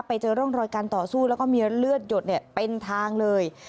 ไปเจอร่องรอยการต่อสู้แล้วก็มีเลือดหยดเป็นทางเลย